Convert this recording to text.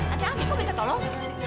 ada anjing aku minta tolong